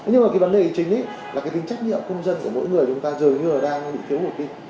nhưng mà cái vấn đề chính là cái tính trách nhiệm công dân của mỗi người chúng ta dường như là đang bị thiếu hụt kinh